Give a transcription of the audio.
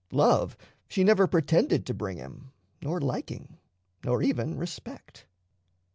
Love she never pretended to bring him, nor liking, nor even respect.